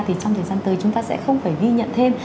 thì trong thời gian tới chúng ta sẽ không phải ghi nhận thêm